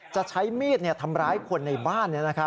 จะใช้มีดทำร้ายคนในบ้าน